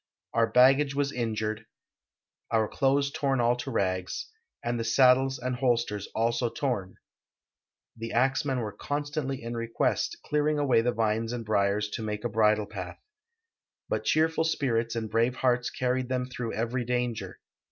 Our baggage was injured, our clothes torn all to rags, and the saddles and holsters also torn." The axmen were constantly in request, clearing away the vines and briars to make a bridle path. But cheerful sjjirits and brave hearts carried them through every danger.